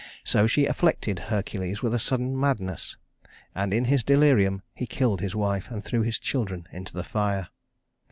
So she afflicted Hercules with a sudden madness; and in his delirium he killed his wife, and threw his children into the fire.